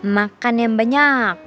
makan yang banyak